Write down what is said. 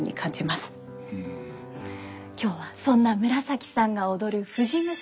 今日はそんな紫さんが踊る「藤娘」